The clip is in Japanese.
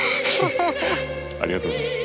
ありがとうございます。